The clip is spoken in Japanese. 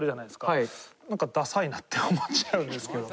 なんかダサいなって思っちゃうんですけど。